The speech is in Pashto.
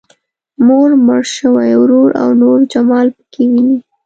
مور، مړ شوی ورور او نور جمال پکې ويني.